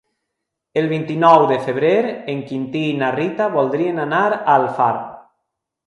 El vint-i-nou de febrer en Quintí i na Rita voldrien anar a Alfarb.